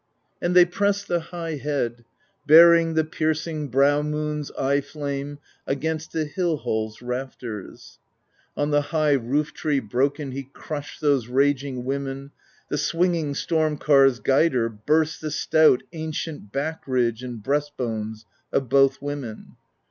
And they pressed the high head, bearing The piercing brow moon's eye flame Against the hill hall's rafters; On the high roof tree broken He crushed those raging women: The swinging Storm car's Guider Burst the stout, ancient back ridge And breast bones of both women.